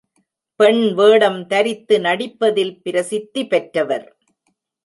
பெண் வேடம் தரித்து நடிப்பதில் பிரசித்தி பெற்றவர்.